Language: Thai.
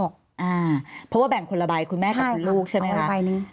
เพราะว่าแบ่งคนละใบคุณแม่กับคุณลูกใช่ไหมคะ